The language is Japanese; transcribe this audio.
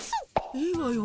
いいわよ。